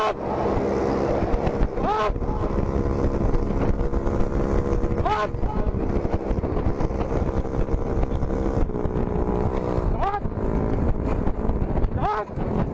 สอบ